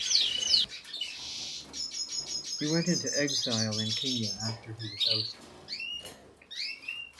He went into exile in Kenya after he was ousted.